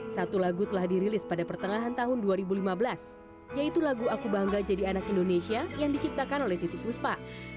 satu lagu telah dirilis pada pertengahan tahun dua ribu lima belas yaitu lagu aku bangga jadi anak indonesia yang diciptakan oleh titi puspa